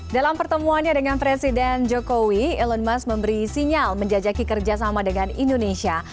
dalam pertemuannya dengan presiden jokowi elon musk memberi sinyal menjajaki kerjasama dengan indonesia